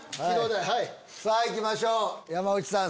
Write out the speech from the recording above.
さぁいきましょう山内さん